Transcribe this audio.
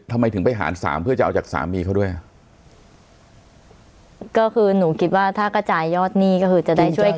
ทำไมถึงไปหารสามเพื่อจะเอาจากสามีเขาด้วยอ่ะก็คือหนูคิดว่าถ้ากระจายยอดหนี้ก็คือจะได้ช่วย